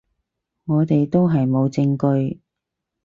我哋都係冇證據